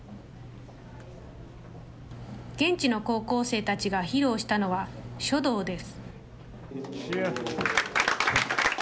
現地の高校生たちが披露したのは書道です。